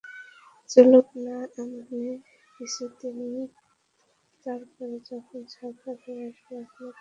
চলুক না এমনই কিছুদিন, তার পরে যখন ছারখার হয়ে আসবে আপনি পড়বে ধরা।